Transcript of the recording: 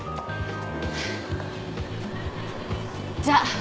じゃあ。